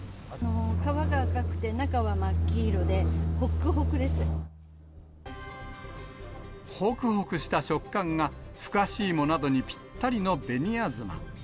皮が赤くて、ほくほくした食感がふかし芋などにぴったりの紅あずま。